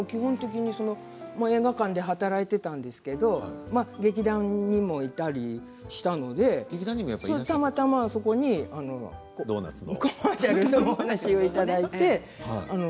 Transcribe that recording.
映画館で働いていたんですけど劇団にもいたりしたのでたまたまそこにコマーシャルのお話をいただいて。